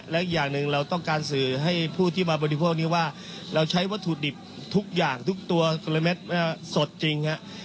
และอีกอย่างหนึ่งเราต้องการสื่อให้ผู้ที่มาบริโภคนี้ว่าเราใช้วัตถุดิบทุกอย่างทุกตัวเม็ดสดจริงฮะ